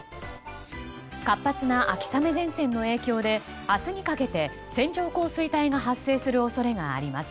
活発な秋雨前線の影響で明日にかけて線状降水帯が発生する恐れがあります。